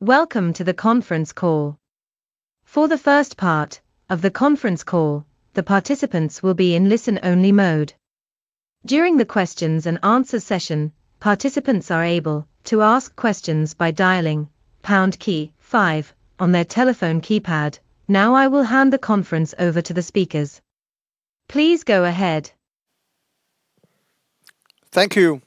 Welcome to the conference call. For the first part of the conference call, the participants will be in listen-only mode. During the questions and answers session, participants are able to ask questions by dialing pound key five on their telephone keypad. Now I will hand the conference over to the speakers. Please go ahead. Thank you,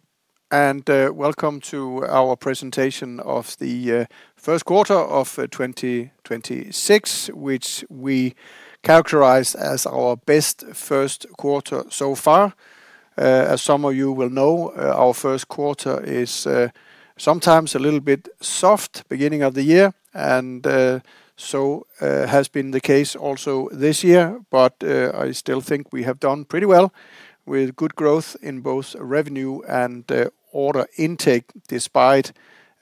and welcome to our presentation of the first quarter of 2026, which we characterize as our best first quarter so far. As some of you will know, our first quarter is sometimes a little bit soft beginning of the year and so has been the case also this year. I still think we have done pretty well, with good growth in both revenue and order intake, despite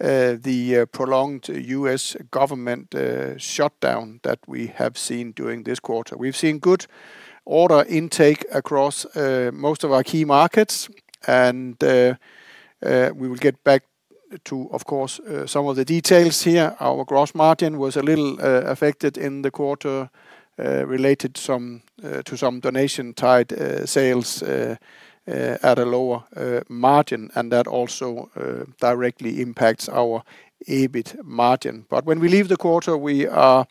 the prolonged U.S. government shutdown that we have seen during this quarter. We've seen good order intake across most of our key markets and we will get back to, of course, some of the details here. Our gross margin was a little affected in the quarter, related some to some donation-tied sales at a lower margin, and that also directly impacts our EBIT margin. When we leave the quarter, we are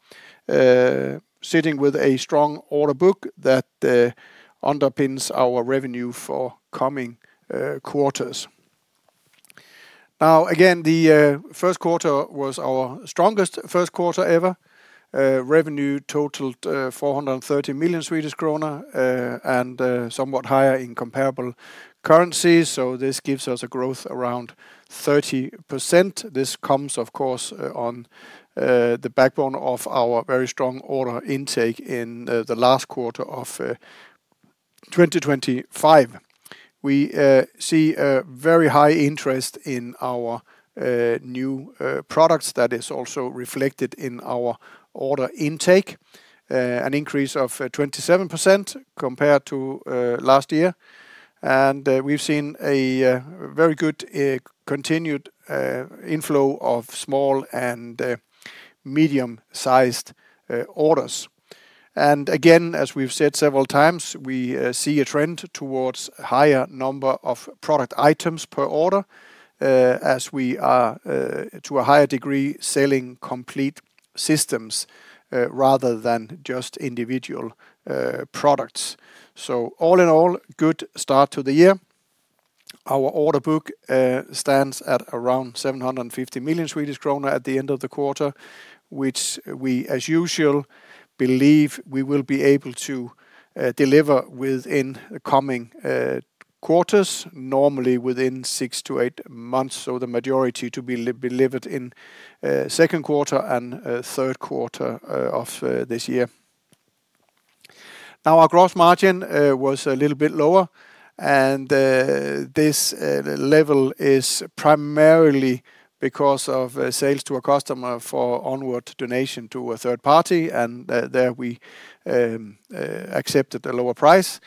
sitting with a strong order book that underpins our revenue for coming quarters. Now, again, the first quarter was our strongest first quarter ever. Revenue totaled 430 million Swedish kronor, and somewhat higher in comparable currency, so this gives us a growth around 30%. This comes of course, on the backbone of our very strong order intake in the last quarter of 2025. We see a very high interest in our new products that is also reflected in our order intake, an increase of 27% compared to last year. We've seen a very good continued inflow of small and medium-sized orders. Again, as we've said several times, we see a trend towards higher number of product items per order, as we are to a higher degree selling complete systems rather than just individual products. All in all, good start to the year. Our order book stands at around 750 million Swedish kronor at the end of the quarter, which we, as usual, believe we will be able to deliver within the coming quarters, normally within six to eight months, so the majority to be delivered in second quarter and third quarter of this year. Our gross margin was a little bit lower and this level is primarily because of sales to a customer for onward donation to a third party and there we accepted a lower price.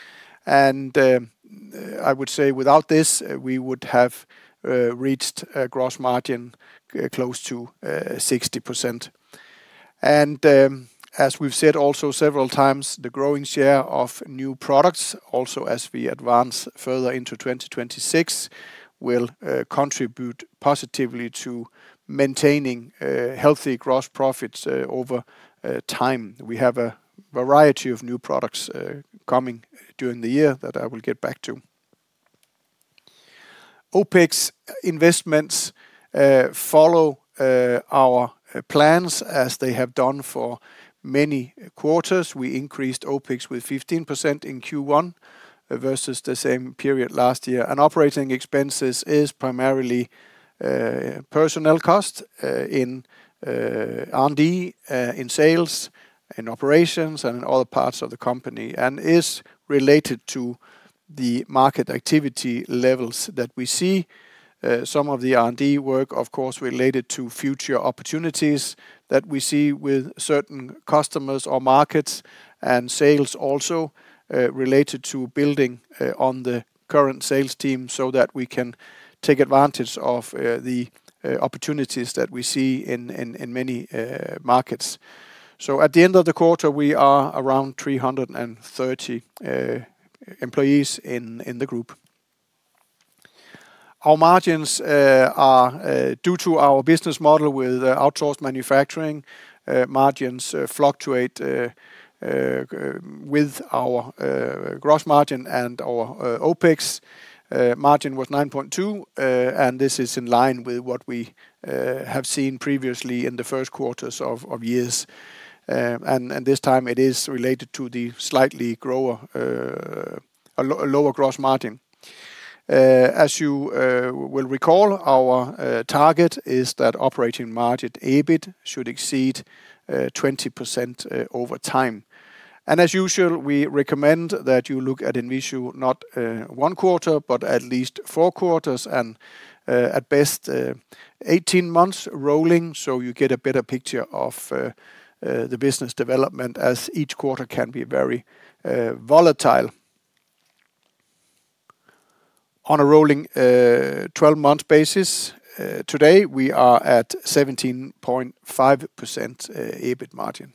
I would say without this, we would have reached a gross margin close to 60%. As we've said also several times, the growing share of new products, also as we advance further into 2026, will contribute positively to maintaining healthy gross profits over time. We have a variety of new products coming during the year that I will get back to. OpEx investments follow our plans as they have done for many quarters. We increased OpEx with 15% in Q1 versus the same period last year. Operating expenses is primarily personnel cost in R&D, in sales and operations and in other parts of the company, and is related to the market activity levels that we see. Some of the R&D work, of course, related to future opportunities that we see with certain customers or markets and sales also, related to building on the current sales team so that we can take advantage of the opportunities that we see in many markets. At the end of the quarter, we are around 330 employees in the group. Our margins are due to our business model with outsourced manufacturing, margins fluctuate with our gross margin and our OpEx. Margin was 9.2, and this is in line with what we have seen previously in the first quarters of years. And this time it is related to the slightly lower gross margin. As you will recall, our target is that operating margin EBIT should exceed 20% over time. As usual, we recommend that you look at INVISIO not one quarter, but at least four quarters and at best 18 months rolling so you get a better picture of the business development, as each quarter can be very volatile. On a rolling 12-month basis, today we are at 17.5% EBIT margin.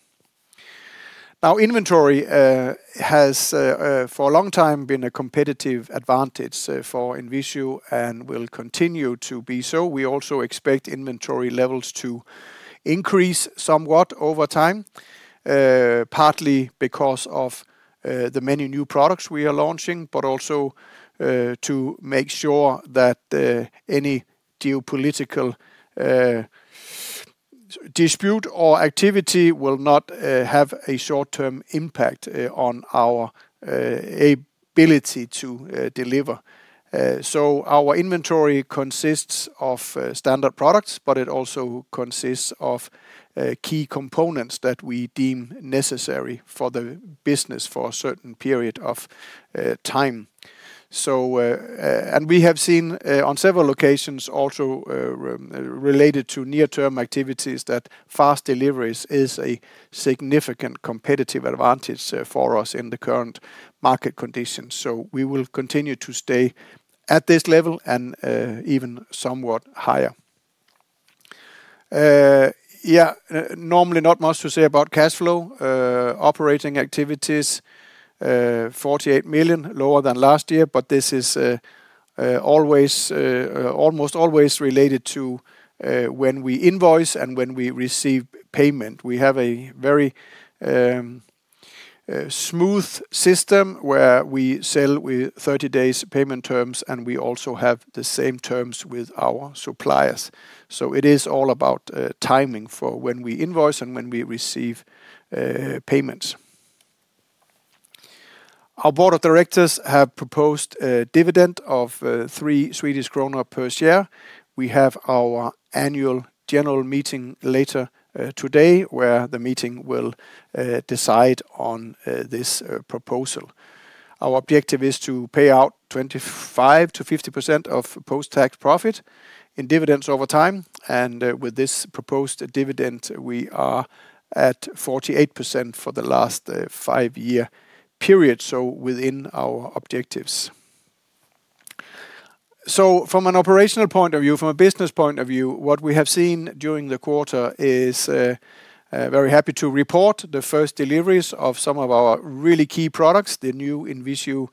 Now inventory has for a long time been a competitive advantage for INVISIO and will continue to be so. We also expect inventory levels to increase somewhat over time, partly because of the many new products we are launching, but also to make sure that any geopolitical dispute or activity will not have a short-term impact on our ability to deliver. Our inventory consists of standard products, but it also consists of key components that we deem necessary for the business for a certain period of time. We have seen on several occasions also related to near-term activities, that fast deliveries is a significant competitive advantage for us in the current market conditions. We will continue to stay at this level and even somewhat higher. Yeah, normally not much to say about cash flow. Operating activities, 48 million, lower than last year, this is almost always related to when we invoice and when we receive payment. We have a very smooth system where we sell with 30 days payment terms. We also have the same terms with our suppliers. It is all about timing for when we invoice and when we receive payments. Our board of directors have proposed a dividend of 3 Swedish kronor per share. We have our Annual General Meeting later today, where the meeting will decide on this proposal. Our objective is to pay out 25%-50% of post-tax profit in dividends over time. With this proposed dividend, we are at 48% for the last five-year period, so within our objectives. From an operational point of view, from a business point of view, what we have seen during the quarter is, very happy to report the first deliveries of some of our really key products, the new INVISIO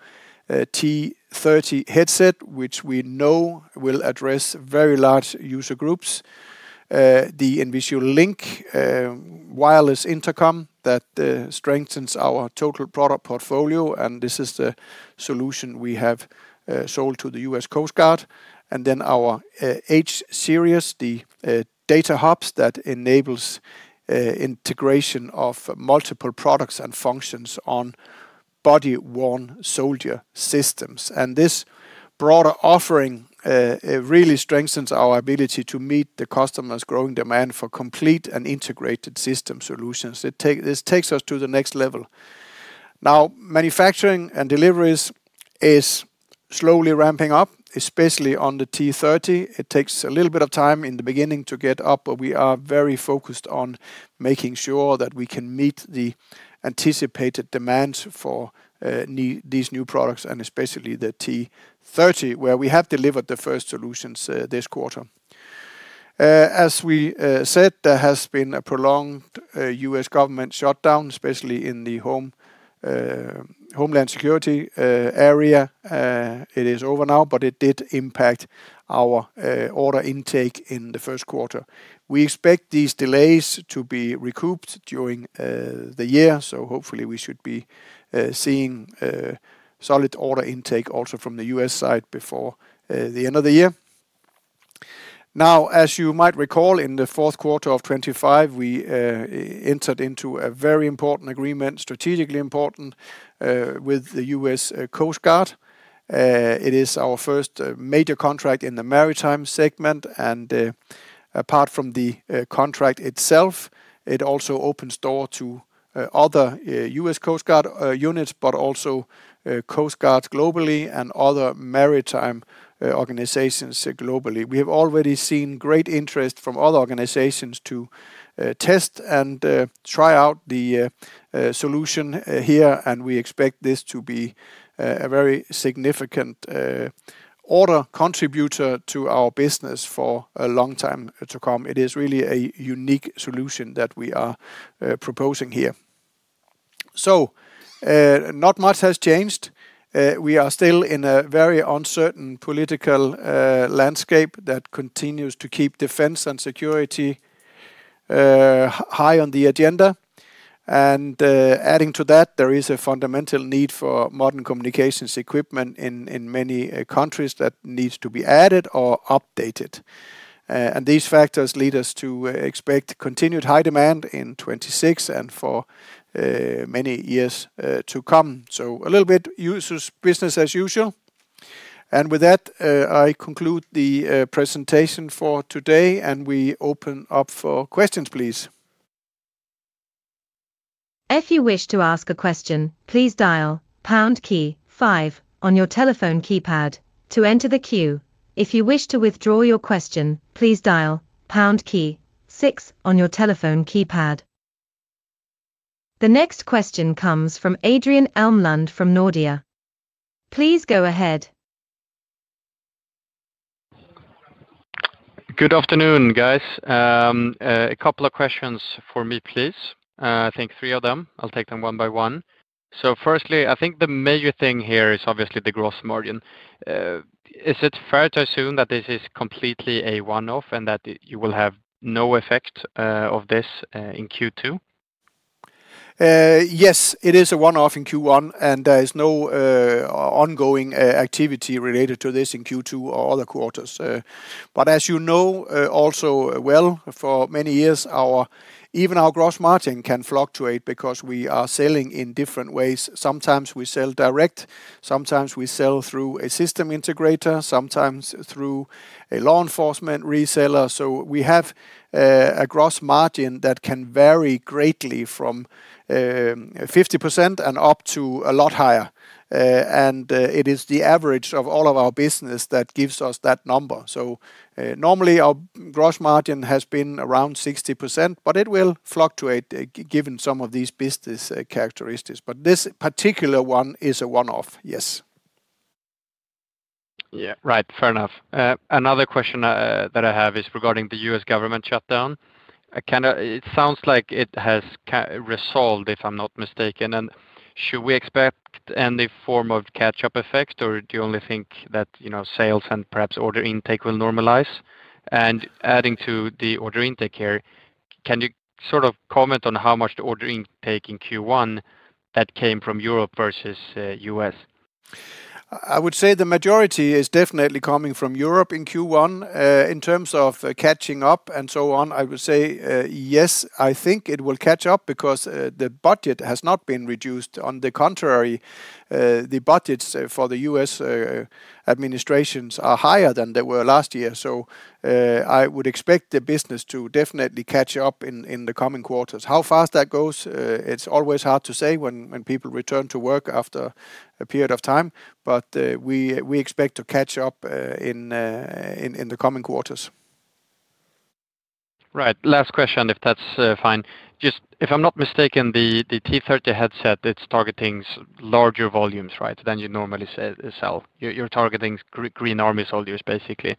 T30 headset, which we know will address very large user groups. The INVISIO Link wireless intercom that strengthens our total product portfolio, and this is the solution we have sold to the United States Coast Guard. Our H-Series, the data hubs that enables integration of multiple products and functions on body-worn soldier systems. This broader offering really strengthens our ability to meet the customer's growing demand for complete and integrated system solutions. This takes us to the next level. Now manufacturing and deliveries is slowly ramping up, especially on the T30. It takes a little bit of time in the beginning to get up, but we are very focused on making sure that we can meet the anticipated demands for these new products, and especially the T30, where we have delivered the first solutions this quarter. As we said, there has been a prolonged U.S. government shutdown, especially in the Homeland Security area. It is over now, but it did impact our order intake in the first quarter. We expect these delays to be recouped during the year, so hopefully we should be seeing a solid order intake also from the U.S. side before the end of the year. As you might recall, in the fourth quarter of 2025, we entered into a very important agreement, strategically important, with the U.S. Coast Guard. It is our first major contract in the maritime segment, and apart from the contract itself, it also opens door to other US Coast Guard units, but also coast guards globally and other maritime organizations globally. We have already seen great interest from other organizations to test and try out the solution here, and we expect this to be a very significant order contributor to our business for a long time to come. It is really a unique solution that we are proposing here. Not much has changed. We are still in a very uncertain political landscape that continues to keep defense and security high on the agenda. Adding to that, there is a fundamental need for modern communications equipment in many countries that needs to be added or updated. These factors lead us to expect continued high demand in 2026 and for many years to come. A little bit business as usual. With that, I conclude the presentation for today, and we open up for questions, please. If you wish to ask a question, please dial pound key five on your telephone keypad to enter the queue. If you wish to withdraw your question, please dial pound key six on your telephone keypad. The next question comes from Adrian Elmblad from Nordea. Please go ahead Good afternoon, guys. Two questions for me, please. I think three of them. I'll take them one by one. Firstly, I think the major thing here is obviously the gross margin. Is it fair to assume that this is completely a one-off and that you will have no effect of this in Q2? Yes, it is a one-off in Q1, there is no ongoing activity related to this in Q2 or other quarters. As you know, also well, for many years our even our gross margin can fluctuate because we are selling in different ways. Sometimes we sell direct, sometimes we sell through a system integrator, sometimes through a law enforcement reseller. We have a gross margin that can vary greatly from 50% and up to a lot higher. It is the average of all of our business that gives us that number. Normally, our gross margin has been around 60%, it will fluctuate given some of these business characteristics. This particular one is a one-off. Yes. Yeah. Right. Fair enough. Another question that I have is regarding the U.S. government shutdown. Kind of it sounds like it has resolved, if I'm not mistaken. Should we expect any form of catch-up effect, or do you only think that, you know, sales and perhaps order intake will normalize? Adding to the order intake here, can you sort of comment on how much the order intake in Q1 that came from Europe versus U.S.? I would say the majority is definitely coming from Europe in Q1. In terms of catching up and so on, I would say, yes, I think it will catch up because the budget has not been reduced. On the contrary, the budgets for the U.S. administrations are higher than they were last year. I would expect the business to definitely catch up in the coming quarters. How fast that goes, it's always hard to say when people return to work after a period of time. We expect to catch up in the coming quarters. Last question, if that's fine. Just if I'm not mistaken, the T30 headset, it's targeting larger volumes, right? Than you normally sell. You're targeting green army soldiers, basically.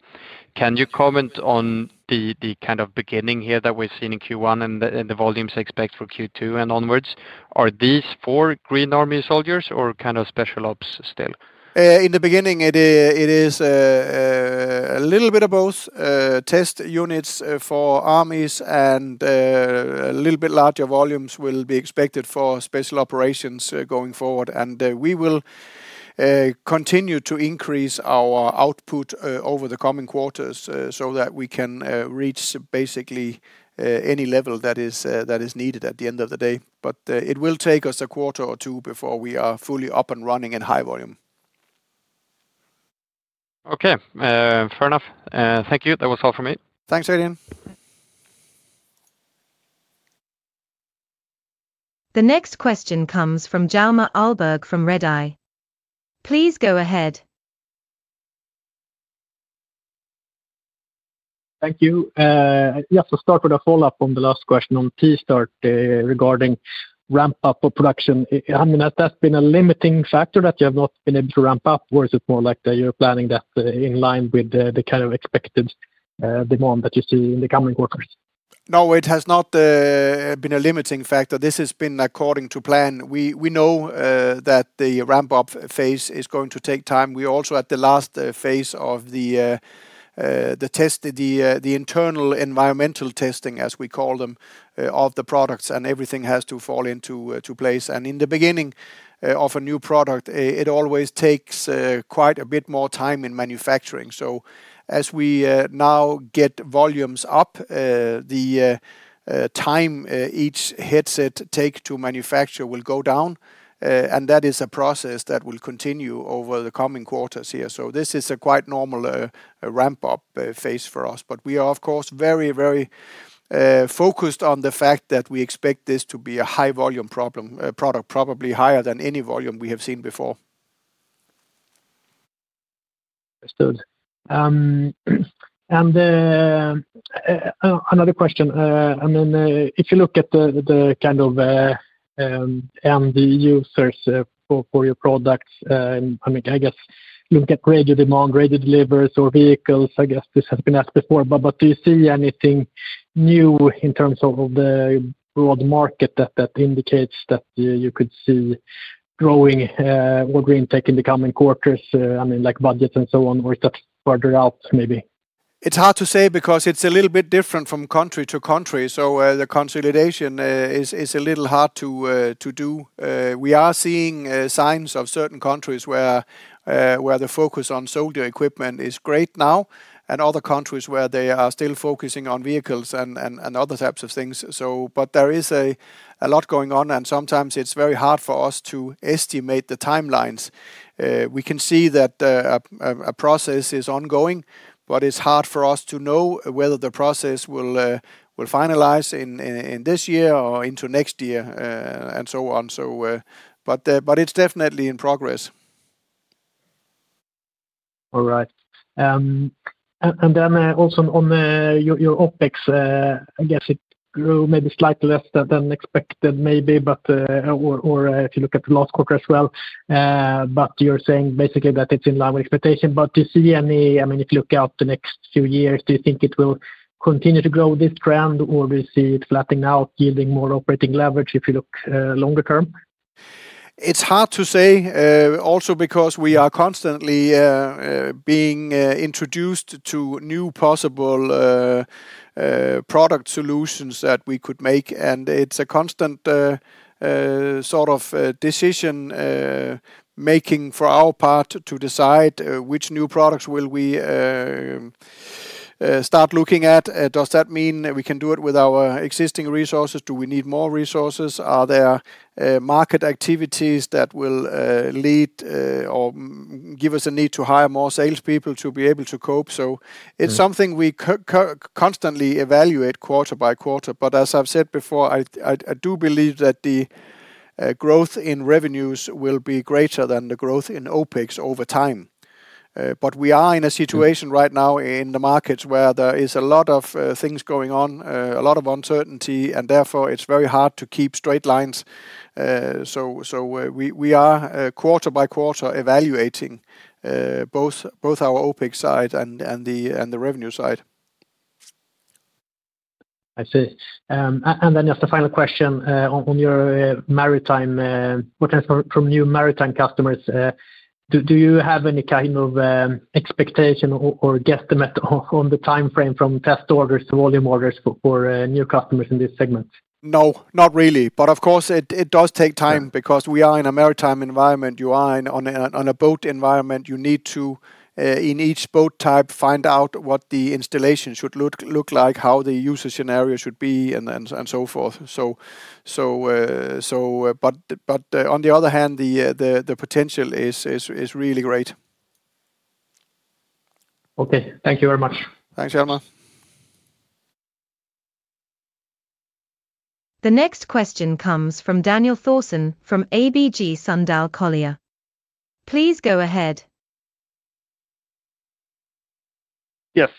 Can you comment on the kind of beginning here that we've seen in Q1 and the volumes expect for Q2 and onwards? Are these for green army soldiers or kind of special operation still? In the beginning, it is a little bit of both, test units for armies and a little bit larger volumes will be expected for special operations, going forward. We will continue to increase our output over the coming quarters so that we can reach basically any level that is needed at the end of the day. It will take us a quarter or two before we are fully up and running in high volume. Okay. Fair enough. Thank you. That was all for me. Thanks, Adrian. The next question comes from Hjalmar Ahlberg from Redeye. Please go ahead. Thank you. Just to start with a follow-up on the last question on T30, regarding ramp up of production. I mean, has that been a limiting factor that you have not been able to ramp up, or is it more like that you're planning that in line with the kind of expected demand that you see in the coming quarters? No, it has not been a limiting factor. This has been according to plan. We know that the ramp-up phase is going to take time. We're also at the last phase of the internal environmental testing, as we call them, of the products, and everything has to fall into place. In the beginning of a new product, it always takes quite a bit more time in manufacturing. As we now get volumes up, the time each headset take to manufacture will go down. That is a process that will continue over the coming quarters here. This is a quite normal ramp-up phase for us. We are, of course, very, very focused on the fact that we expect this to be a high volume product, probably higher than any volume we have seen before. Understood. Another question. I mean, if you look at the kind of end users for your products, I mean, I guess look at greater demand, greater deliveries or vehicles, I guess this has been asked before. Do you see anything new in terms of the broad market that indicates that you could see growing order intake in the coming quarters, I mean like budgets and so on, or is that further out, maybe? It's hard to say because it's a little bit different from country to country. The consolidation is a little hard to do. We are seeing signs of certain countries where the focus on soldier equipment is great now, and other countries where they are still focusing on vehicles and other types of things. There is a lot going on, and sometimes it's very hard for us to estimate the timelines. We can see that a process is ongoing, but it's hard for us to know whether the process will finalize in this year or into next year, and so on. It's definitely in progress All right. Then, also on your OpEx, I guess it grew maybe slightly less than expected maybe, but, or if you look at the last quarter as well. You are saying basically that it is in line with expectation. Do you see any, I mean, if you look out the next few years, do you think it will continue to grow this trend, or we see it flattening out, giving more operating leverage if you look, longer term? It's hard to say, also because we are constantly being introduced to new possible product solutions that we could make. It's a constant sort of decision making for our part to decide which new products will we start looking at. Does that mean we can do it with our existing resources? Do we need more resources? Are there market activities that will lead or give us a need to hire more salespeople to be able to cope? It's something we constantly evaluate quarter by quarter. As I've said before, I do believe that the growth in revenues will be greater than the growth in OpEx over time. We are in a situation right now in the markets where there is a lot of things going on, a lot of uncertainty, and therefore it's very hard to keep straight lines. We are quarter by quarter evaluating both our OpEx side and the revenue side. I see. Just a final question on your maritime, what comes from new maritime customers. Do you have any kind of expectation or guesstimate on the timeframe from test orders to volume orders for new customers in this segment? No, not really. Of course, it does take time because we are in a maritime environment. You are on a boat environment. You need to in each boat type, find out what the installation should look like, how the user scenario should be and so forth. But on the other hand, the potential is really great. Okay. Thank you very much. Thanks, Hjalmar. The next question comes from Daniel Thorsson from ABG Sundal Collier. Please go ahead. Yes.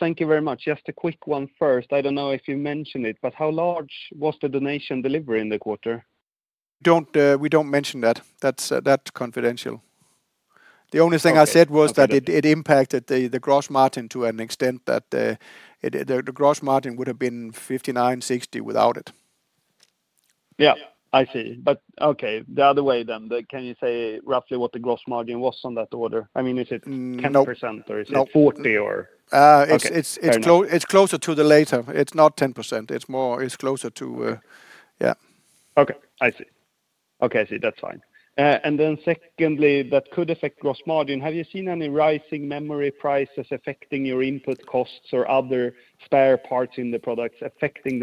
Thank you very much. Just a quick one first. I don't know if you mentioned it, but how large was the donation delivery in the quarter? Don't, we don't mention that. That's, that's confidential. The only thing I said was that it impacted the gross margin to an extent that the gross margin would have been 59%, 60% without it. Yeah, I see. Okay, the other way. Can you say roughly what the gross margin was on that order? I mean, is it? 10%, or is it? No. 40% or? It's closer to the latter. It's not 10%. It's closer to, Yeah. Okay. I see. Okay, I see. That's fine. Secondly, that could affect gross margin. Have you seen any rising memory prices affecting your input costs or other spare parts in the products affecting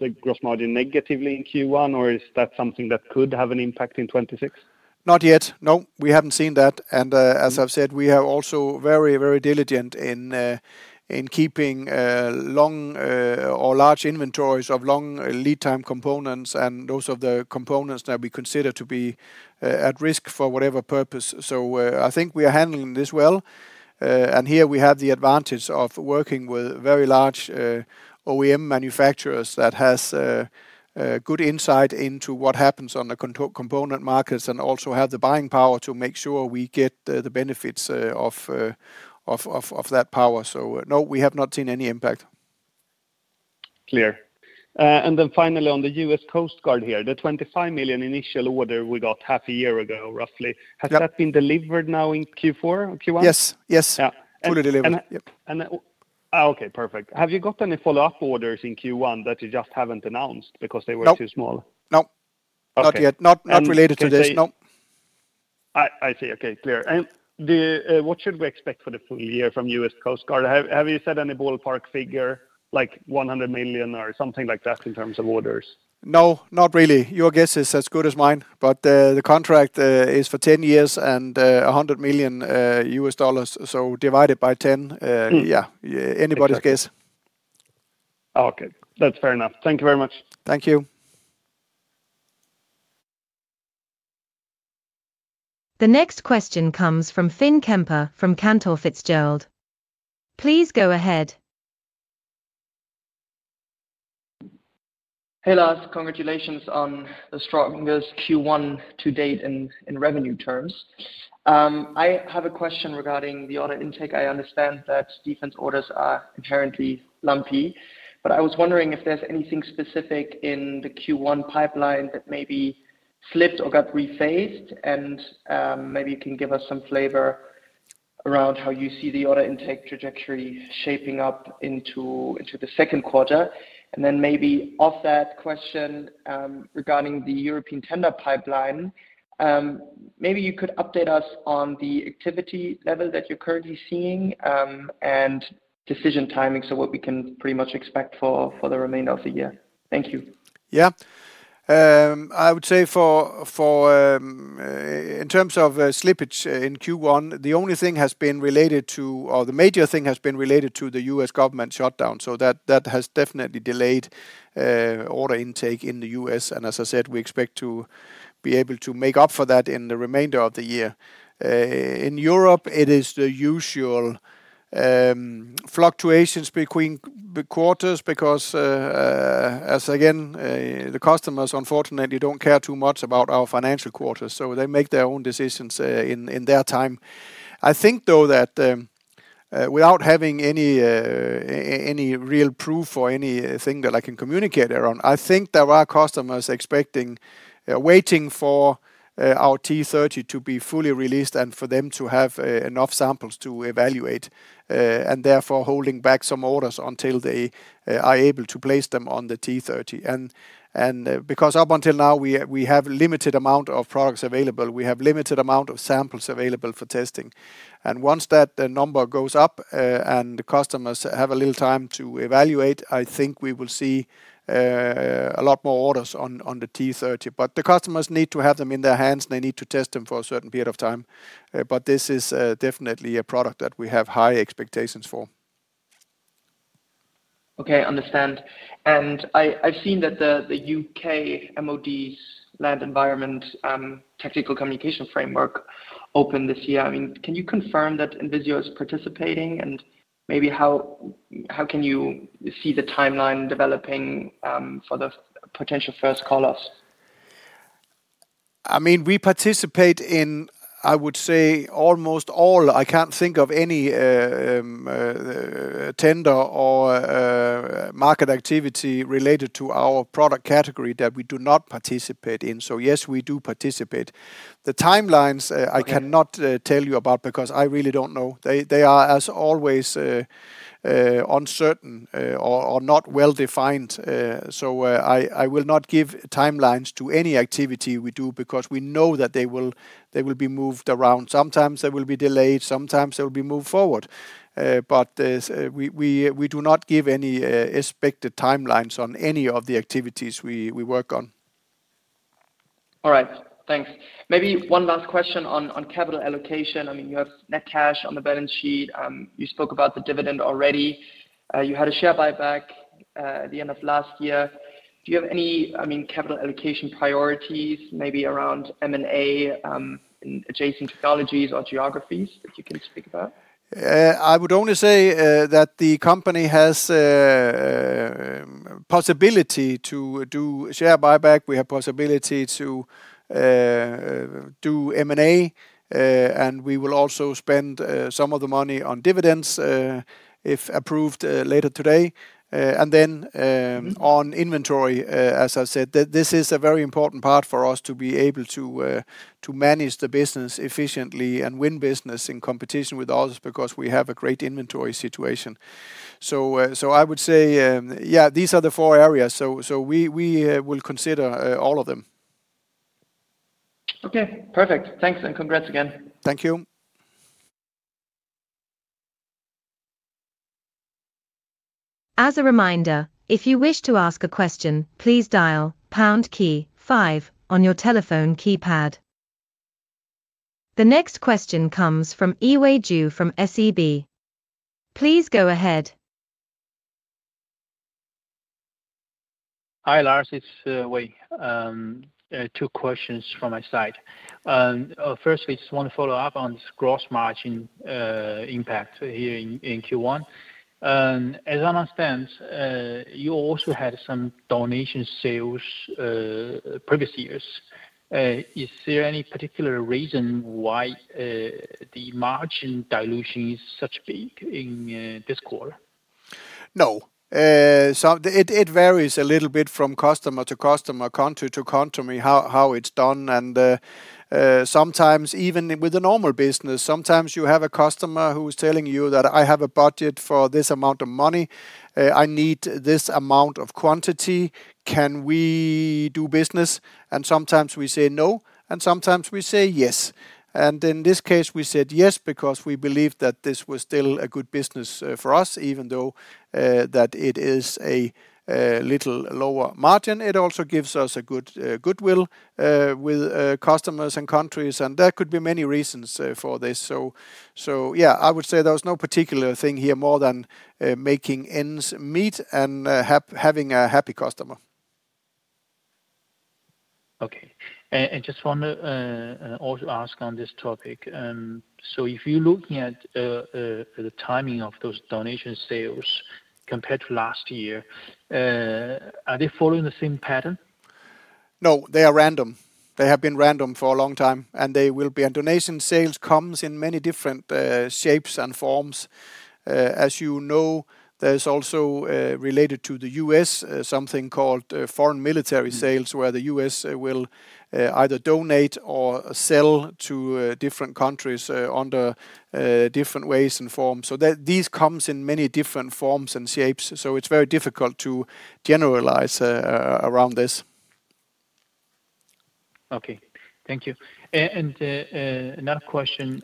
the gross margin negatively in Q1, or is that something that could have an impact in 2026? Not yet. No, we haven't seen that. As I've said, we are also very, very diligent in keeping long or large inventories of long lead time components and those of the components that we consider to be at risk for whatever purpose. I think we are handling this well. Here we have the advantage of working with very large Original Equipment Manufacturers that has a good insight into what happens on the component markets and also have the buying power to make sure we get the benefits of that power. No, we have not seen any impact. Clear. Finally on the U.S. Coast Guard here, the $25 million initial order we got half a year ago, roughly. Has that been delivered now in Q4, Q1? Yes, yes. Yeah. Fully delivered. Yep. Oh, okay. Perfect. Have you got any follow-up orders in Q1 that you just haven't announced because they were too small? No. No. Okay. Not yet. Not related to this. And could they. I see. Okay. Clear. What should we expect for the full year from U.S. Coast Guard? Have you set any ballpark figure, like $100 million or something like that in terms of orders? No, not really. Your guess is as good as mine, but the contract is for 10 years and $100 million, so divided by 10. Yeah. Anybody's guess. Okay. That's fair enough. Thank you very much. Thank you. The next question comes from Erik Hellberg from Cantor Fitzgerald. Please go ahead. Hey, Lars. Congratulations on the strongest Q1 to date in revenue terms. I have a question regarding the order intake. I understand that defense orders are inherently lumpy. I was wondering if there's anything specific in the Q1 pipeline that maybe slipped or got rephased. Maybe you can give us some flavor around how you see the order intake trajectory shaping up into the second quarter. Maybe off that question, regarding the European tender pipeline, maybe you could update us on the activity level that you're currently seeing and decision timing, what we can pretty much expect for the remainder of the year? Thank you. Yeah. I would say for in terms of slippage in Q1, the major thing has been related to the U.S. government shutdown. That has definitely delayed order intake in the U.S., and as I said, we expect to be able to make up for that in the remainder of the year. In Europe, it is the usual fluctuations between the quarters because as again, the customers unfortunately don't care too much about our financial quarters. They make their own decisions in their time. I think though that without having any real proof or anything that I can communicate around, I think there are customers expecting, waiting for our T30 to be fully released and for them to have enough samples to evaluate. Therefore, holding back some orders until they are able to place them on the T30. Because up until now, we have limited amount of products available. We have limited amount of samples available for testing. Once that number goes up, and the customers have a little time to evaluate, I think we will see a lot more orders on the T30. The customers need to have them in their hands, and they need to test them for a certain period of time. This is definitely a product that we have high expectations for. Okay. Understand. I've seen that the U.K. MOD's Land Environment Technical Communication Framework opened this year. Can you confirm that INVISIO is participating? Maybe how can you see the timeline developing for the potential first call-offs? I mean, we participate in, I would say, almost all. I can't think of any tender or market activity related to our product category that we do not participate in. Yes, we do participate. I cannot tell you about because I really don't know. They, they are, as always, uncertain, or not well-defined. I will not give timelines to any activity we do because we know that they will, they will be moved around. Sometimes they will be delayed, sometimes they will be moved forward. We, we do not give any expected timelines on any of the activities we work on. All right. Thanks. Maybe one last question on capital allocation. I mean, you have net cash on the balance sheet. You spoke about the dividend already. You had a share buyback at the end of last year. Do you have any, I mean, capital allocation priorities maybe around M&A in adjacent technologies or geographies that you can speak about? I would only say, that the company has a possibility to do share buyback. We have possibility to do M&A, and we will also spend some of the money on dividends, if approved, later today. Then on inventory, as I said, this is a very important part for us to be able to manage the business efficiently and win business in competition with others because we have a great inventory situation. I would say, yeah, these are the four areas. We will consider all of them. Okay. Perfect. Thanks and congrats again. Thank you. As a reminder, if you wish to ask a question, please dial pound key five on your telephone keypad. The next question comes from Yiwei Ju from SEB. Please go ahead. Hi, Lars. It's Wei. Two questions from my side. Firstly, just want to follow up on this gross margin impact here in Q1. As I understand, you also had some donation sales previous years. Is there any particular reason why the margin dilution is such big in this quarter? No. So it varies a little bit from customer to customer, country to country, how it's done. Sometimes even with the normal business, sometimes you have a customer who is telling you that I have a budget for this amount of money. I need this amount of quantity. Can we do business? Sometimes we say no, and sometimes we say yes. In this case, we said yes because we believed that this was still a good business, for us, even though, that it is a little lower margin. It also gives us a good goodwill with customers and countries, and there could be many reasons for this. Yeah, I would say there was no particular thing here more than making ends meet and having a happy customer. Okay. Just want to also ask on this topic. If you're looking at the timing of those donation sales compared to last year, are they following the same pattern? No, they are random. They have been random for a long time, and they will be. Donation sales comes in many different shapes and forms. As you know, there's also related to the U.S., something called Foreign Military Sales, where the U.S. will either donate or sell to different countries under different ways and forms. These comes in many different forms and shapes, so it's very difficult to generalize around this. Okay. Thank you. Another question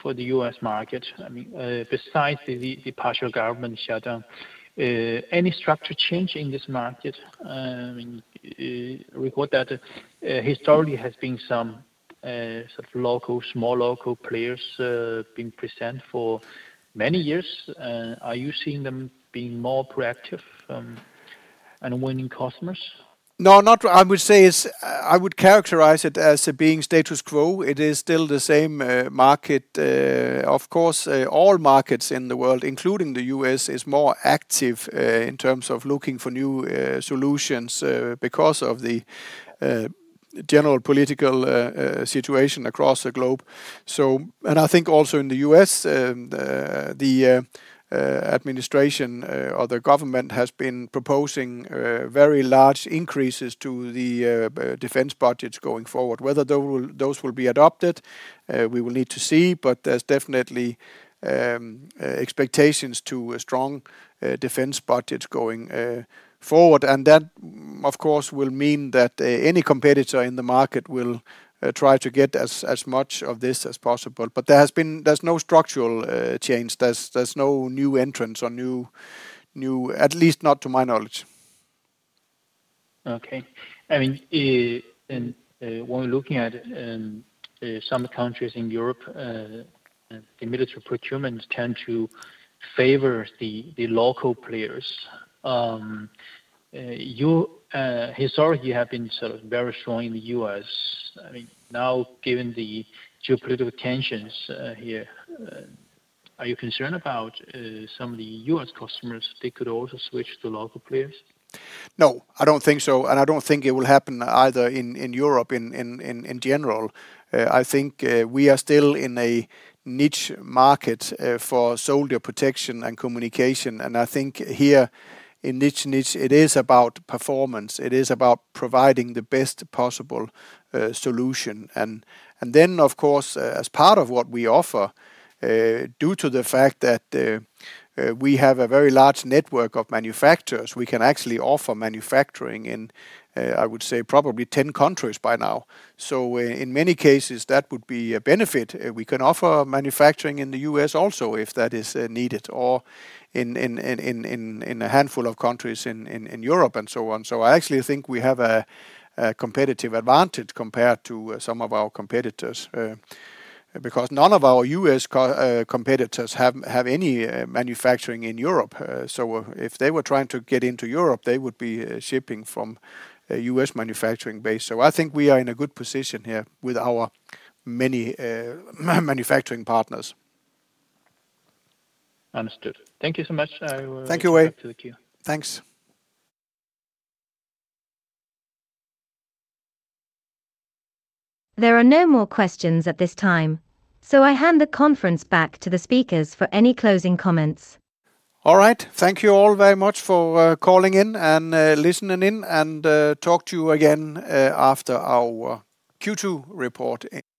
for the U.S. market. I mean, besides the partial government shutdown, any structure change in this market? We got that historically has been some sort of local, small local players being present for many years. Are you seeing them being more proactive and winning customers? No, I would characterize it as being status quo. It is still the same market. Of course, all markets in the world, including the U.S., is more active in terms of looking for new solutions because of the general political situation across the globe. And I think also in the U.S., the administration or the government has been proposing very large increases to the defense budgets going forward. Whether those will be adopted, we will need to see, but there's definitely expectations to a strong defense budget going forward. That, of course, will mean that any competitor in the market will try to get as much of this as possible. There's no structural change. There's no new entrants, at least not to my knowledge. Okay. I mean, and, when we're looking at some countries in Europe, the military procurements tend to favor the local players. You historically have been sort of very strong in the U.S. I mean, now given the geopolitical tensions here, are you concerned about some of the U.S. customers, they could also switch to local players? No, I don't think so, and I don't think it will happen either in Europe in general. I think we are still in a niche market for soldier protection and communication, and I think here in niche it is about performance. It is about providing the best possible solution. Then, of course, as part of what we offer, due to the fact that we have a very large network of manufacturers, we can actually offer manufacturing in, I would say probably 10 countries by now. In many cases, that would be a benefit. We can offer manufacturing in the U.S. also if that is needed or in a handful of countries in Europe and so on. I actually think we have a competitive advantage compared to some of our competitors because none of our U.S. competitors have any manufacturing in Europe. If they were trying to get into Europe, they would be shipping from a U.S. manufacturing base. I think we are in a good position here with our many manufacturing partners. Understood. Thank you so much. Thank you, Wei. Thanks. There are no more questions at this time, so I hand the conference back to the speakers for any closing comments. All right. Thank you all very much for calling in and listening in, and talk to you again after our Q2 report in July. Thank you